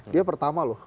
dia pertama loh